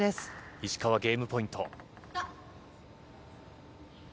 石川、ゲームポイント。